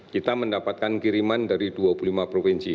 kita mendapatkan kiriman dari dua puluh lima provinsi